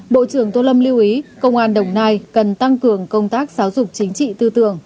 bộ trưởng tô lâm lưu ý công an đồng nai cần tăng cường công tác giáo dục chính trị tư tưởng